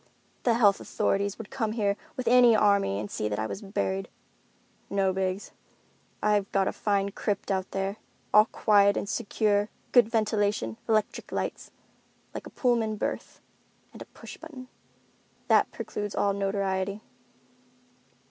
"The health authorities would come here with an army and see that I was buried. No, Biggs, I've got a fine crypt out there, all quiet and secure, good ventilation, electric lights, like a pullman berth—and a push button. That precludes all notoriety.